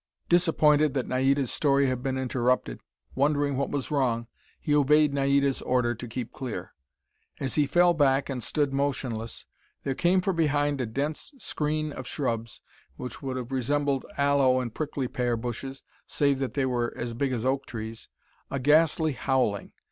Disappointed that Naida's story had been interrupted, wondering what was wrong, he obeyed Naida's order to keep clear. As he fell back and stood motionless, there came from behind a dense screen of shrubs which would have resembled aloe and prickly pear bushes, save that they were as big as oak trees, a ghastly howling.